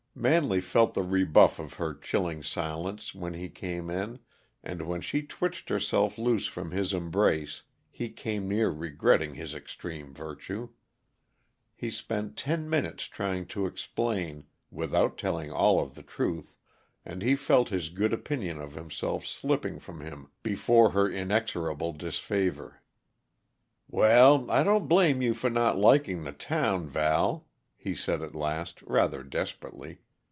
Manley felt the rebuff of her chilling silence when he came in, and when she twitched herself loose from his embrace he came near regretting his extreme virtue. He spent ten minutes trying to explain, without telling all of the truth, and he felt his good opinion of himself slipping from him before her inexorable disfavor. "Well, I don't blame you for not liking the town, Val," he said at last, rather desperately.